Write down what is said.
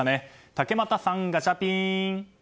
竹俣さん、ガチャピン！